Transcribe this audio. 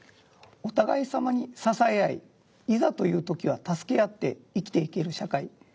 お互い様に支え合いいざという時は助け合って生きていける社会。